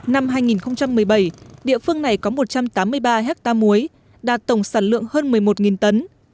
năm hai nghìn một mươi bảy địa phương này có một trăm tám mươi ba ha muối đạt tổng sản lượng hơn một mươi một tấn